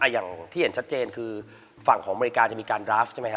อย่างที่เห็นชัดเจนคือฝั่งของอเมริกาจะมีการดราฟใช่ไหมฮ